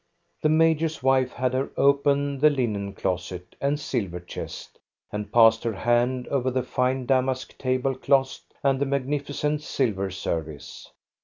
The major's wife had her open the linen closet and silver chest, and passed her hand over the fine damask table cloths and the magnificent sil ver service.